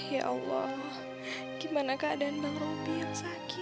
ya allah gimana keadaan bang roby yang sakit